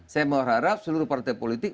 saya mengharap seluruh partai politik